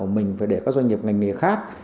mình phải để các doanh nghiệp ngành nghề khác